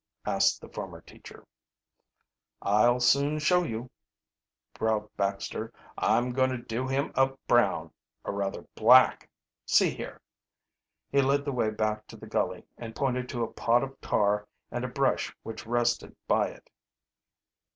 asked the former teacher. "I'll soon show you," growled Baxter. "I'm going to do him up brown or rather, black. See here." He led the way back to the gully and pointed to a pot of tar and a brush which rested by it.